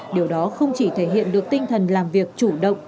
điều đó không chỉ thể hiện được tinh thần làm việc chủ động